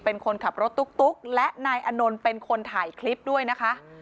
เป็นคนขับรถตุ๊กและนายอานนท์เป็นคนถ่ายคลิปด้วยนะคะ